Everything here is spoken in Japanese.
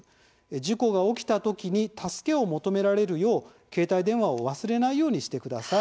事故が起きた時に助けを求められるよう携帯電話を忘れないようにしてください。